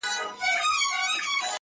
یو څو شپې یې کورته هیڅ نه وه ور وړي -